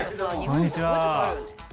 こんにちは。